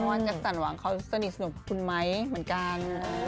เพราะว่าแจ๊คสันหวังเขาสนิทสนุกกับคุณไม๊เหมือนกัน